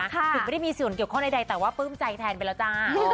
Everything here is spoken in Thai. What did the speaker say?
ถึงไม่ได้มีส่วนเกี่ยวข้องใดแต่ว่าปลื้มใจแทนไปแล้วจ้า